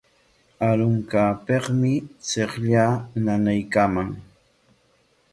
Arunqaapikmi chiqllaa nanaykaaman.